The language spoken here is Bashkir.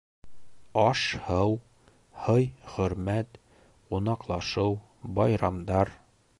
Аш һыу, һый-хөрмәт, ҡунаҡлашыу, байрамдар